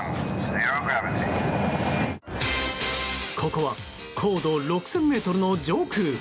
ここは高度６０００ｍの上空。